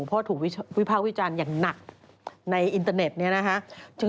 เพราะถูกวิภาควิจารณ์อย่างหนักในอินเตอร์เน็ตเนี่ยนะคะ